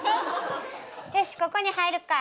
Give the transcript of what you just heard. よしここに入るか。